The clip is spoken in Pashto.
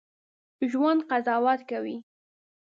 ژوندي قضاوت کوي